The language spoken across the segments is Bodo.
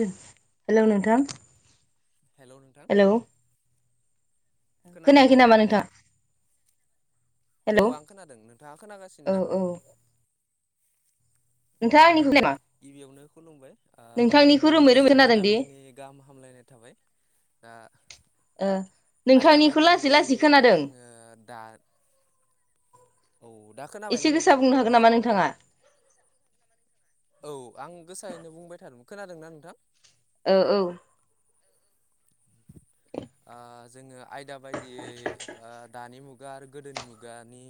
दो हेलौ नोंथां। हेलौ नों हेलौ खोनायाखै नामा नोंथां? औ आं खोनादों नोंथाङा खोनागासिनो ना? नोंथाङा आंनि [unintelligible] गिबियावनो खुलुमबाय। ओ गोजोन मोनाबिलिनि गाहाम हामलायनाय थाबाय दा आयदा बायदियै जोङो दा औ दा खोनाबायना नोंथां? औ आं गोसायैनो बुंबाय थादोमोन खोनादोंना नोंथां? ओ औ ओ जोङो आयदा बायदियै ओ दानि मुगा मुगा आरो गोदोनि मुगानि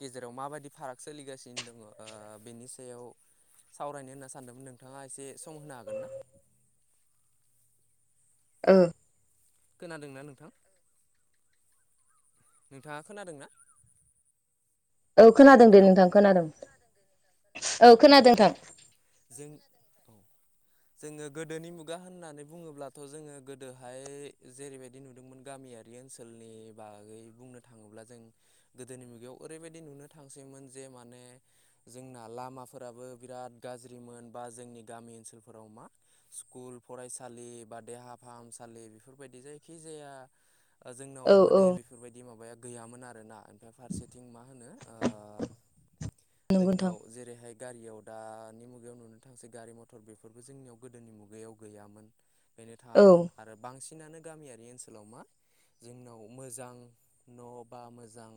गेजेराव माबायदि फाराग सोलिगासिनो दङ ओ बेनि सायाव सावरायनो होनना सानदोमोन नोंथाङा एसे सम होनो हागोन ना? ओ खोनादोंना नोंथां? नोंथाङा खोनादों ना? औ खोनादों दे नोंथां खोनादों औ खोनादों नोंथां। जों औ जोङो गोदोनि मुगा होननानै बुङोब्लाथ' जोङो गोदोहाय जेरैबायदि नुदोंमोन गामिया बे ओनसोलनि बागै बुंनो थाङोब्ला जों गोदोनि मुगायाव ओरैबायदि नुनो थांसैमोन जे माने जोंना लामा फोराबो बिराद गाज्रिमोन बा जोंनि गामि ओनसोलफोराव मा स्कुल फरायसालि बा देहा फाहामसालि बेफोरबायदि जायखि जाया जोंनाव माने बेफोरबायदि माबाया गैयामोन आरोना ओमफ्राय फारसेथिं मा होनो ओ जोंनाव जेरैहाय गारियाव दानि मुगायाव नुनो थांसै गारि मथर बेफोरबो जोंनियाव गोदोनि मुगायाव गैयामोन बेनो थाङामोन आरो बांसिनानो गामियारि ओनसोलाव मा जोंनाव मोजां न' बा मोजां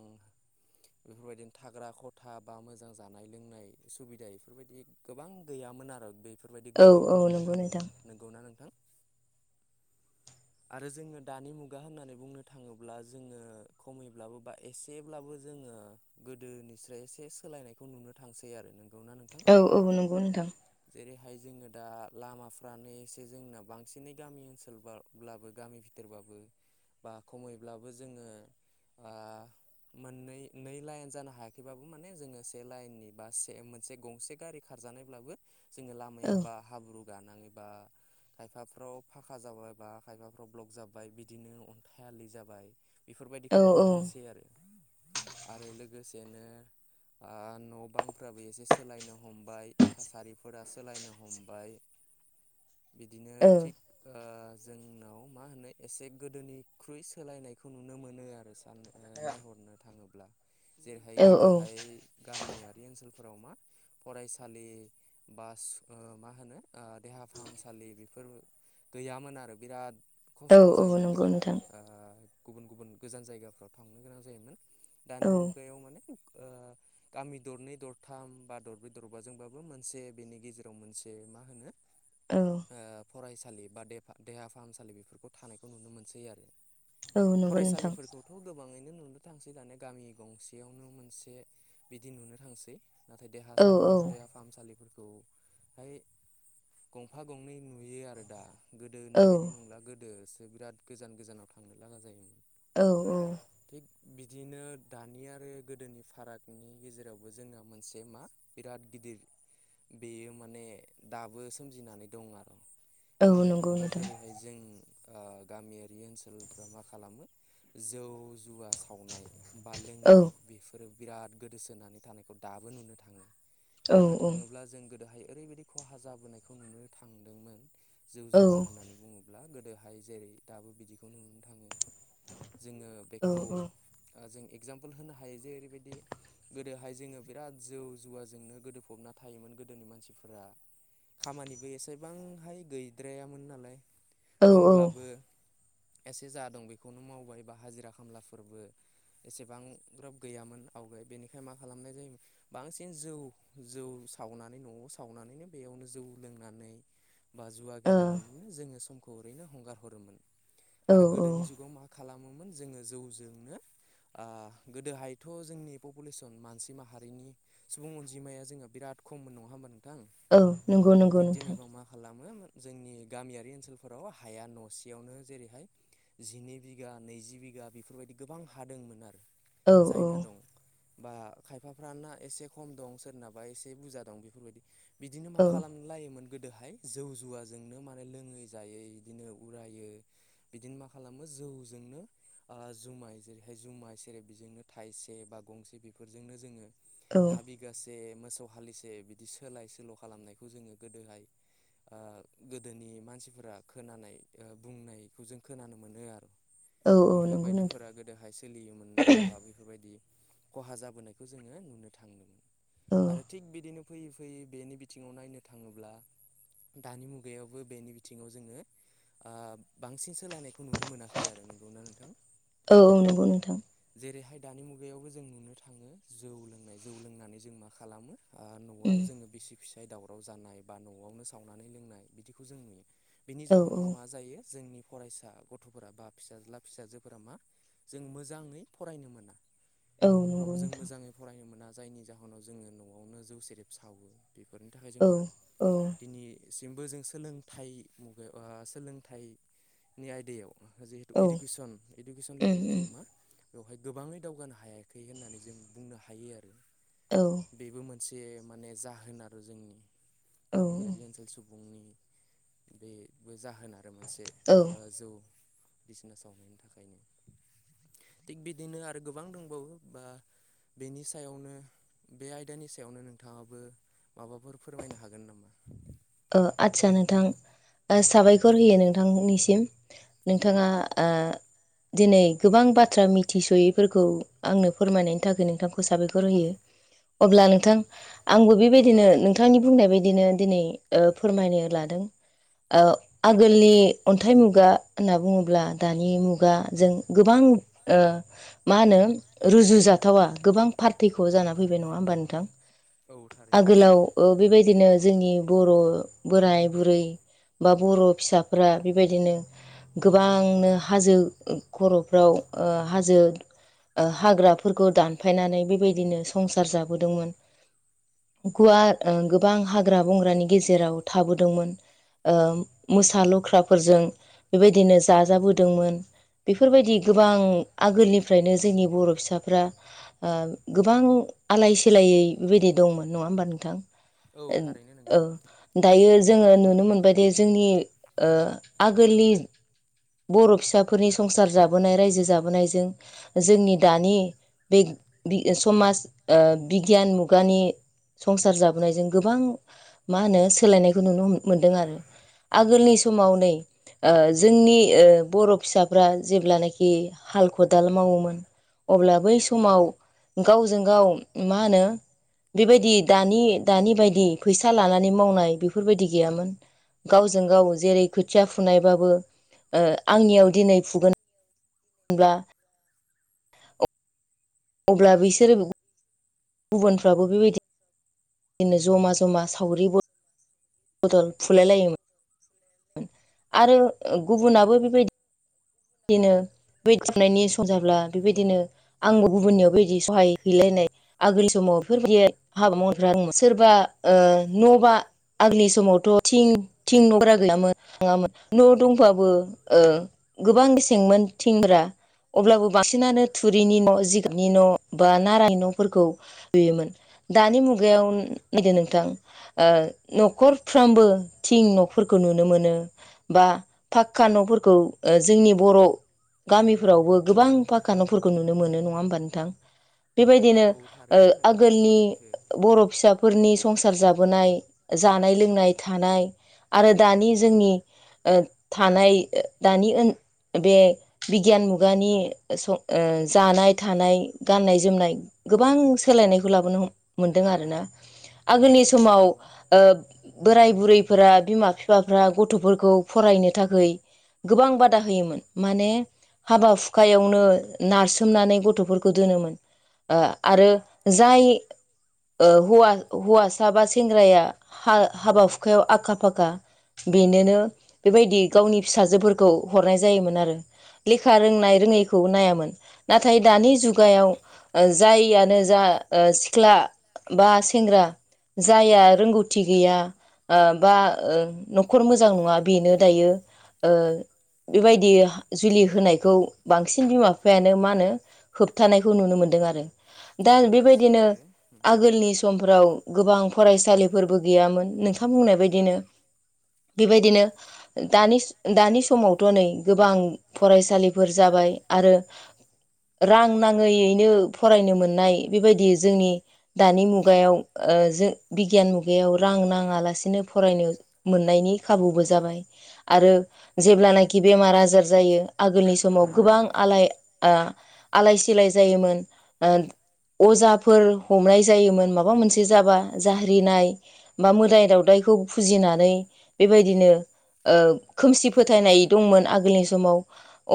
बेफोरबायदिनो थाग्रा खथा बा मोजां जानाय लोंनाय सुबिदा बेफोरबायदि गोबां गैयामोन आरो बेफोरबायदि गैयिखौ नुनो थाङोमोन। नंगौना नोंथां आरो जोङो दानि मुगा होननानै बुंनो थाङोब्ला जोङो खमैब्लाबो बा एसेब्लाबो जोङो गोदोनिस्राय एसे सोलायनायखौ नुनो थांसै आरो नोंगौना नों औ औ नंगौ नोंथां जेरैहाय जोङो दा लामाफ्रानो एसे जोंना बांसिनै गामि ओनसोलबार ब्लाबो गामि बिथोरबबाबो बा खमैब्लाबो जोङो आं मोननै नै लाइन जानो हायाखैबाबो माने जोङो से लाइननि बा से मोनसे गंसे गारि खारजानायब्लाबो जोङो लामायाबा हाब्रु गानाङै बा खायफाफ्राव फाखा जाबाय बा खायफाफ्राव ब्लक जाबाय बिदिनो अन्थाइ आलि जाबाय। बेफोरबायदिखौ नुनो थांसै आरो आरो लोगोसेनो नो ओ न' बां फ्राबो एसे सोलायनो हमबाय थासारिफोरा सोलायनो हमबाय बिदिनो थिग ओ जोंनाव मा होनो एसे गोदोनिख्रुइ सोलायनायखौ नुनो मोनो आरो सानो नायहरनो थाङोब्ला जेरैहाय गोदोहाय गामियारि ओनसोलफोराव मा फरायसालि बा मा होनो देहा फाहामसालि बेफोर गैयामोन आरो बिराद खस्थ' जायोमोन गोदोहाय ओ गुबुन गुबुन गोजान जायगाफ्राव थांनो गोनां जायोमोन दानि मुगायाव माने ओ गामि दरनै दरथाम बा दरब्रै दरबाजोंबाबो मोनसे बेनि गेजेराव मोनसे मा होनो औ ओ फरायसालि बा देहा फाहामसालि बेफोरखौ थानायखौ नुनो मोनसै आरो फरायसालिफोरखौ थ' गोबाङैनो नुनो थांसै दाना गामि गंसेयावनो मोनसे बिदि नुनो थांसै नाथाय देहा सा दहा फाहामसालिफोरखौहाय गंफा गंनै नुयो आरो दा गोदोनि बायदि नंला गोदोसो बिराद गोजान गोजानाव थांनो लागा जायोमोन औ औ थिग बिदिनो दानि आरो गोदोनि फारागनि गेजेराव जोङो मोनसे मा बिराद गिदिर बेयो माने दाबो सोमजिनानै दं आरो बुंनो थाङोब्ला जेरैहाय जों ओ गामियारि ओनसोलफ्रा मा खालामो जौ जुवा सावनाय बा लोंनाय बेफोरो बिराद गोदोसोनानै थानायखौ दाबो नुनो थाङो बुंनो थाङोब्ला जों गोदोहाय ओरैबायदि खहा जाबोनायखौ नुनो थांदोंमोन जौ जुवा होननानै बुङोब्ला ब्ला गोदोहाय जेरै दाबो बिदिखौ नुनो थाङो जोङो बेखौ जों एगजामपोल होनो हायो जे ओरैबायदि गोदोहाय जोङो बिराद जौ जुवाजोंनो गोदोफबना थायोमोन गोदोनि मानसिफोरा खामानिबो एसेबांहाय गैद्रायामोन नालाय दंब्लाबो एसे जादों बेखौनो मावबाय बा हाजिरा खामलाफोरबो एसेबां ग्रोब गैयामोन आवगाय बेनिखायनो मा खालामनाय जायोमोन। बांसिन जौ-जौ सावनानै न'आव सावनानैनो बेयावनो जौ लोंनानै बा जुवा गेलेनानैनो जोङो समखौ ओरैनो हगार हरोमोन आरो गोदोनि जुगाव मा खालामोमोन जोङो जौजोंनो ओ गोदोहायथ' जोंनि प पुलिउसन मानसि माहारिनि सुबुं अनजिमाया जोङो बिराद खममोन नङा होमबा नो थां थिकथिनिखौ मा खालामो जोंनि गामियारि ओनसोलफोराव हाया न'सेयावनो जेरैहाय जिनै बिघा नैजि बिघा बेफोरबायदि गोबां हादोंमोन आरो जायना दं बा खायफाफ्राना एसे खम दं सोरनाबा एसे बुरजा दं बेफोरबायाददि बिदिनो मा खालाम लायोमोन गोदोहाय जौ जुवाजोंनो माने लोङै जायै बिदिनो उरायो बिदिनो मा खालामो जौजोंनो ओ जुमाय जेरैहाय जुमाय सेरेब बेजोंनो थाइसे बा गंसे बेफोर जोंनो जोङो हा बि गासे मोसौ हालिसे बिदि सोलाय सोल' खालामनायखौ जोङो गोदोहाय ओ गोदोनि मानसिफोरा खोनानाय ओ बुंनायखौ जों खोनानो मोनो आरो बैफोरबायदिफोरा गोदोहाय सोलियोमोननो बा बैफोरबायदि खहा जाबोनायखौ जोङो नुनो थांदोंमोन आरो थिग बिदिनो फैयै-फैयै बेनि बिथिङाव नायनो थाङोब्ला दानि मुगायावबो बेनि बिथिङाव जोङो ओ बांसिन सोलायनायखौ नुनो मोनाखै आरो नोंगौना नोंथां। औ-औ नंगौ नोंथां। जेरैहाय दानि मुगायावबो जों नुनो थाङो जौ लोंनाय जौ लोंनानै जों मा खालामो ओ न'आव जोङो बिसि फिसाय दावराव जानाय बा न'आवनो सावनानै लोंनाय बिदिखौ जों नुयो। बिनि जाहोनाव मा जायो जोंनि फरायसा गथ'फोरा बा फिसाज्ला फिसाजोफोरा मा जों मोजाङै फरायनो मोना। हरफ्रावबो जों मोजाङै फरायनो मोना जायनि जाहोनाव जोङो न'आवनो जौ सेरेब सावो। बेफोरनि थाखाय जों मा दिनि इसिमबो जों सोलोंथाइ मुगायाव ओ सोलोंथाइ नि आयदायाव जिहेतु इडुकेसन-इडुकेसन लेभेलाव जोंङो मा बेवहाय गोबाङै दावगानो हाया खै होननानै जों बुंनो हायो आरो। औ बेबो मोनसे माने जाहोन आरो जोंनि गामियारि ओनसोल सुबुंनि बेबो जाहोन आरो मोनसे। ओ जौ बायदिसिना सावनायनि थाखायनो थिग बिदिनो आरो गोबां दंबावो। बा बेनि सायावनो बे आयदानि सायावनो नोंथाङाबो माबाफोर फोरमायनो हागोन नामा? ओ आदसा नोंथां ओ साबायखर होयो नोंथांनिसिम। [inaudible] नोंथाङा ओ दिनै गोबां बाथ्रा मिथिस'यैफोरखौ आंनो फोरमायनायनि थाखाय नोंथांखौ साबायखर होयो अब्ला नों थां आंबो बेबायदिनो नोंथांनि बुंनाय बायदिनो दिनै ओ फोरमायनो लादों ओ आगोलनि अन्थाइ मुगा होनना बुङोब्ला दानि मुगाजों गोबां ओ मा होनो रुजुजाथावा गोबां पार्टेक्य जाना फैबाय नङा होमबा नोंथां। आगोलाव ओ बेबायदिनो जोंनि बर' बोराय बुरै बा बर' फिसाफोरा बेबायदिनो गोबांनो हाजो खर'फ्राव ओ हाजो हाग्राफोरखौ दानफायनानै बेबायदिनो संसार जाबोदोंमोन गुवार ओ गोबां‌ हाग्रा बंग्रानि गेजेराव थाबोदोंमोन ओ मोसा लख्राफोरजों बेबायदिनो जाजाबोदोंमोन। बेफोरबायदि गोबां आगोलनिफ्रायनो जोंनि बर' फिसाफ्रा ओ गोबां आलाय सिलायै बेबायदि दंमोन नङा होमबा नोंथां? औ थारैनो नोंगौ। दायो जोङो नुनो मोनबायदि जोंनि ओ आगोलनि बर' फिसाफोरनि संसार जाबोनाय रायजो जाबोनायजों जोंनि दानि बे बि समाज ओ बिगियान मुगानि संसार जाबोनायजों गोबां मा होनो सोलायनायखौ नुनो मोनदों आरो आगोलनि समाव नै ओ जोंनि ओ बर' फिसाफ्रा जेब्लानोखि हाल खदाल मावोमोन अब्ला बै समाव गावजों गाव मा होनो बेबायदि दानि दानि बायदि फैसा [inaudible] लानानै मावनाय बेफोरबायदि गैयामोन गावजों गाव जेरै खोथिया फु फुनायबाबो ओ आंनियाव दिनै फुगोन ब्ला अब्ला बिसोरो गुबुनफ्राबो बेबायदि दिनो ज'मा ज'मा सावरि ब बदल फुलाय लायोमोन। आरो गुबुनाबो बेबायदि बिदिनो बै गुनायनि सम जाब्ला बेबायदिनो आंबो गुबुननियाव बिदि सहाय हैलायनाय आगोलनि समाव बेफोरबायदि हाबा मावनायफ्रा आं सोरबा न' बा आगनि समावथ' थिं थिं न'फोराा गैयामोन थाङामोन न' दंबाबो गोबां गेसेंमोन थिंफ्रा अब्लाबो बांसिनानो थुरिनि न' जिगाबनि न' बा नाराय न'फोरखौ लुयोमोन। दानि मुगायाव नैदे नोंथां। न'खरफ्रामबो थिं न'फोरखौ नुनो मोनो। बा फाक्का न'फोरखौ जोंनि बर' गामिफोरावबो गोबां पाका न'फोरखौ नुनो मोनो नङा होमबा नोंथां? बेबायदिनो आगोलनि बर' फिसा फोरनि संसार जाबोनाय जानाय लोंनाय थानाय आरो दानि जोंनि थानाय दानि बे बिगियान मुगानि जानाय थानाय गाननाय जोमनाय गोबां सोलायनायखौ लाबोनो मोनदों आरोना। आगोलनि समाव बोराय बुरैफोरा बिमा बिफाफ्रा गथ'फोरखौ फरायनो थाख गोबां बादा होयोमोन माने हाबा हुखायावनो नारसोमनानै गथ'फोरखौ दोनोमोन। आरो जाय हौवासा बा सेंग्राया हाबा हुखायाव आखा फाखा। बेनोनो बेबायदि गावनि फिसाजोफोरखौ हरनाय जायोमोन आरो। लेखा रोंनाय रोङैखौ नायामोन। नाथाय दानि जुगायाव जाययानो जा सिख्ला बा सेंग्रा जायाया रोंगौथि गैया बा न'खर मोजां नङा बेनो दायो बेबायदि जुलि होनायखौ बांसिन बिमा बिफायानो मा होनो होबथानायखौ नुनो मोनदों आरो। दा बेबायदिनो आगोलनि समफ्राव गोबां फरायसालिफोरबो गैयामोन नोंथां बुंनाय बायदिनो बेबायदिनो दानि दानि समावथ' नै गोबां फरायसालिफोर जाबाय आरो रां नाङैयैनो फरायनो मोननाय बेबायदि जोंनि दानि मुगायाव ओ जों बिगियान मुगायाव रां नाङालासिनो फरायनो मोननायनि खाबुबो जाबाय आरो जेब्लानाखि बेमार आजार जायो आगोलनि समाव गोबां आलाय ओ आलाय सिलाय जायोमोन। अजाफोर हमनाय जायोमोन माबा मोनसे जाबा जारिनाय बा मोदाय दावदायखौ फुजिनानै बेबायदिनो ओ खोमसि फोथायनाय दंमोन आगोलनि समाव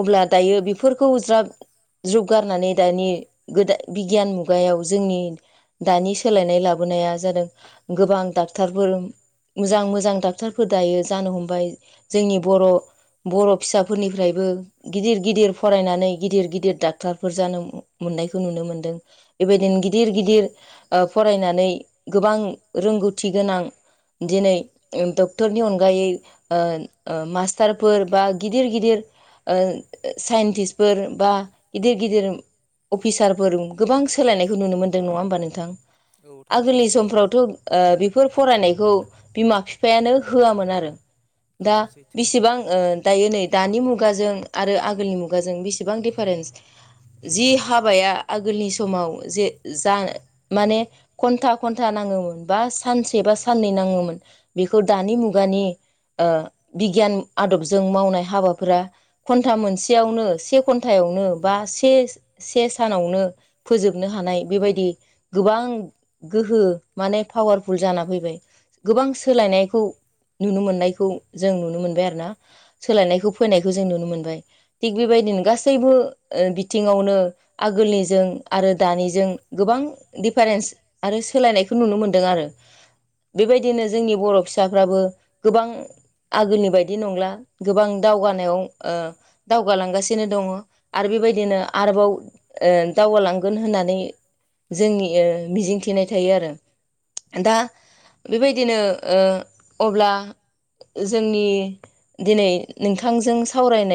अब्ला दायो बेफोरखौ ज्राब ज्रप गारनानै दानि गोदा बिगियान मुगायाव जोंनि दानि सोलायनाय लाबोनाया जादों गोबां डाक्टरफोर मोजां मोजां डाक्टारफोर दायो जानो हमबाय जोंनि बर' बर' फिसाफोरनिफ्रायबो गिदिर गिदिर फरायनानै गिदिर गिदिर डाक्टारफोर जानो मोननायखौ नुनो मोन्दों बेबायदिनो गिदिर गिदिर ओ फरायनानै गोबां रोंगौथि गोनां दिनै डक्टरनि अनगायै ओ ओ मास सटारफोर बा गिदिर गिदिर ओ साइन्टिस्टफोर बा गिदिर गिदिर अफिसारफोर गोबां सोलायनायखौ नुनो मोनदों नङा होमबा नोंथां आगोलनि समफ्रावथ' ओ बेफोर फरायनायखौ बिमा बिफायानो होआमोन आरो औ सैथो बेसेबां ओ दायो नै दानि मुगाजों आरो आगोलनि मुगाजों बेसेबां दिडिफारेन्स। जि हाबाया आगोलनि समाव जे जा माने घन्टा घन्टा नाङोमोन बा सानसे बा साननै नाङोमोन बेखौ दानि मुगानि ओ बिगियान आदबजों मावनाय हाबाफोरा घन्टा मोनसेयावनो से घन्टायावनो बा से से सानावनो फोजोबनो हानाय बेबायदि गोबां गोहो माने पावारफुल जाना फैबाय। गोबां सोलायनायखौ नुनो मोननायखौ जों नुनो मोनबाय आरो ना। सोलायनायखौ फैनायखौ जों नुनो मोनबाय, थिग बेबायदिनो गासैबो ओ बिथिङावनो आगोलनिजों आरो दानिजों गोबां दिफारेन्स आरो सोलायनायखौ नुनो मोनदों आरो। बेबायदिनो जोंनि बर' फिसाफ्राबो गोबां आगोलनि बायदि नंला गोबां दावगानायाव ओ दावगालांगासिनो दङ आरो बेबायदिनो आरोबाव ओ दावगालांगोन होननानै जोंनि ओ मिजिंथिनाय थायो आरो। दा बेबायदिनो ओ अब्ला जोंनि दिनै नोंथांजों सावरायनाय